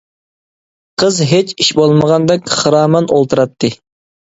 قىز ھېچ ئىش بولمىغاندەك خىرامان ئولتۇراتتى.